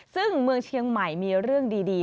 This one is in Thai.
ซึ่งเมืองเชียงใหม่มีเรื่องดี